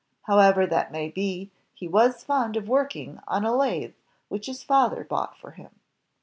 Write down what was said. However that may be, he was fond of working on a lathe which his father bought for him.